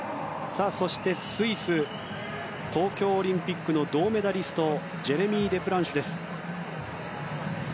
そして、スイス東京オリンピックの銅メダリストジェレミー・デプランシュです。